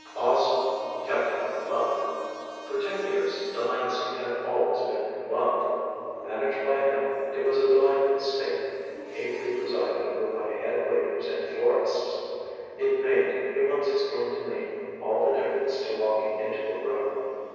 Also, he kept out of love. For ten years, Delancey had always been in love. Managed by him, it was a delightful state, ably presided over by head waiters and florists. It made, he once explained to me, all the difference to walking into a room.